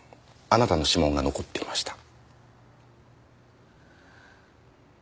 あなたの指紋が残っていました。